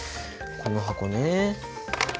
この箱ね。